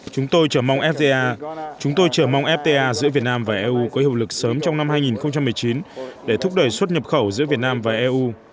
chúng tôi chờ mong fta giữa việt nam và eu có hiệu lực sớm trong năm hai nghìn một mươi chín để thúc đẩy xuất nhập khẩu giữa việt nam và eu